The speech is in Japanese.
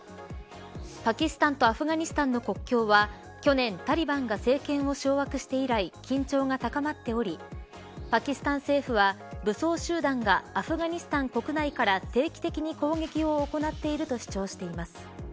パキスタンとアフガニスタンの国境は去年、タリバンが政権を掌握して以来緊張が高まっておりパキスタン政府は武装集団がアフガニスタン国内から定期的に攻撃を行っていると主張しています。